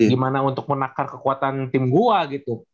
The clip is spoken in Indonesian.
gimana untuk menakar kekuatan tim gua gitu